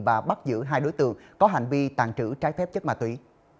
và bắt giữ hai đối tượng có hành vi tàn trữ trái phép chất ma túy